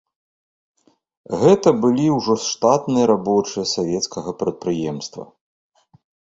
Гэта былі ўжо штатныя рабочыя савецкага прадпрыемства.